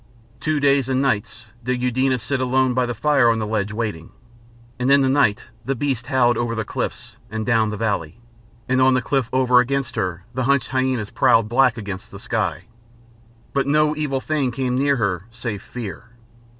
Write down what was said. Two days and nights did Eudena sit alone by the fire on the ledge waiting, and in the night the beasts howled over the cliffs and down the valley, and on the cliff over against her the hunched hyænas prowled black against the sky. But no evil thing came near her save fear.